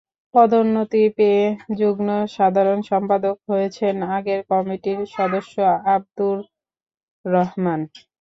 পদোন্নতি পেয়ে যুগ্ম সাধারণ সম্পাদক হয়েছেন আগের কমিটির সদস্য আবদুর রহমান।